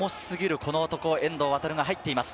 この男、遠藤航が入っています。